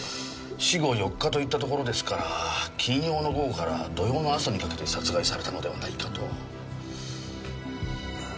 死後４日といったところですから金曜の午後から土曜の朝にかけて殺害されたのではないかと。